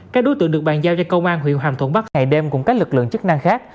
các đối tượng được bàn giao cho công an huyện hàm thuận bắc ngày đêm cùng các lực lượng chức năng khác